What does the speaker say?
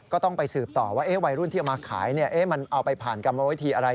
ก็ต้องไปสืบต่อว่าวัยรุ่นที่เอามาขายมันเอาไปผ่านกรรมวิธีอะไร